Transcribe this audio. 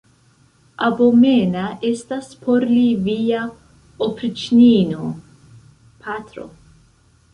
Abomena estas por li via opriĉnino, patro!